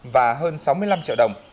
và hơn sáu mươi năm triệu đồng